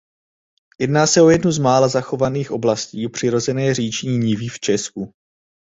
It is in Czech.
Jedná se o jednu z mála zachovaných oblastí přirozené říční nivy v Česku.